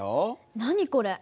何これ？